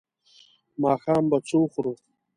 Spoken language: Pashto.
ماښام به څه وخورو؟